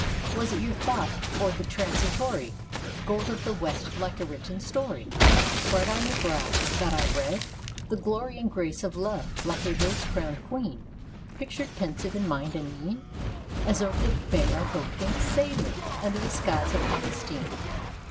Was it your thought, or the transitory Gold of the west, like a written story, Bright on your brow, that I read? the glory And grace of love, like a rose crowned queen Pictured pensive in mind and mien? As over the bay our boat went sailing Under the skies of Augustine.